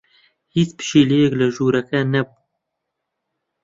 هیچ پشیلەیەک لە ژوورەکە نەبوو.